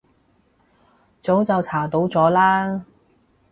早就查到咗啦